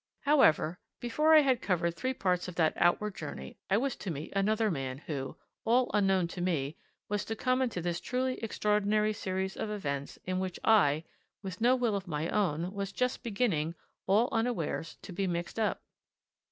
However, before I had covered three parts of that outward journey, I was to meet another man who, all unknown to me, was to come into this truly extraordinary series of events in which I, with no will of my own, was just beginning all unawares to be mixed up.